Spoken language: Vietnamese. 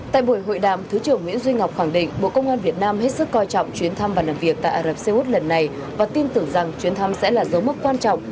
tại buổi hội đàm thứ trưởng nguyễn duy ngọc khẳng định bộ công an việt nam hết sức coi trọng chuyến thăm và làm việc tại ả rập xê út lần này và tin tưởng rằng chuyến thăm sẽ là dấu mức quan trọng